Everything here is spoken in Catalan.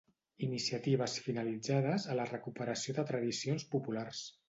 iniciatives finalitzades a la recuperació de tradicions populars